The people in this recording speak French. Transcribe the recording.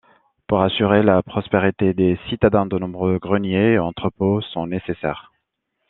Pour assurer la prospérité des citadins, de nombreux greniers et entrepôts sont nécessaires.